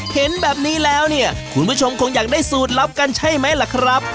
เห็นแบบนี้แล้วเนี่ยคุณผู้ชมคงอยากได้สูตรลับกันใช่ไหมล่ะครับ